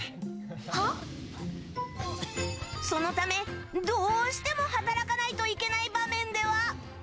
そのため、どうしても働かないといけない場面では。